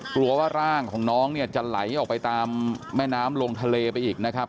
กลัวว่าร่างของน้องเนี่ยจะไหลออกไปตามแม่น้ำลงทะเลไปอีกนะครับ